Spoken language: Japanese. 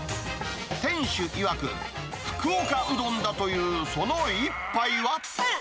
店主いわく、福岡うどんだというその一杯は。